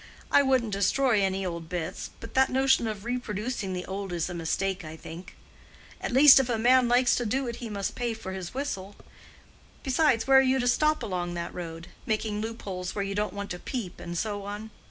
I wouldn't destroy any old bits, but that notion of reproducing the old is a mistake, I think. At least, if a man likes to do it he must pay for his whistle. Besides, where are you to stop along that road—making loopholes where you don't want to peep, and so on?